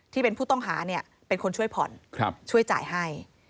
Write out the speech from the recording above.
ที่เป็นผู้ต้องหาเป็นคนช่วยผ่อนช่วยจ่ายให้